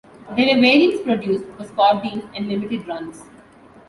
There were variants produced for spot deals and limited runs.